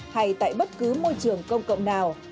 hay tại bất cứ môi trường công cộng nào